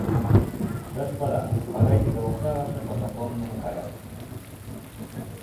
Господа, подайте голоса ваши по законному порядку.